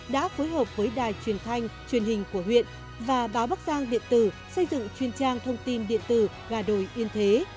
đã phối hợp với đài truyền thanh truyền hình của huyện và báo bắc giang điện tử xây dựng chuyên trang thông tin điện tử gà đồi yên thế